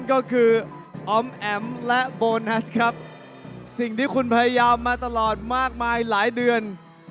ก็คือออมแอ๋มและโบนัสครับสิ่งที่คุณพยายามมาตลอดมากมายหลายเดือน